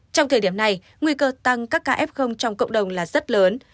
trong thời điểm này nguy cơ tăng các kf trong cộng đồng là rất lớn